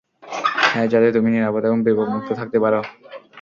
হ্যাঁ, যাতে তুমি নিরাপদ এবং বিপদমুক্ত থাকতে পারো।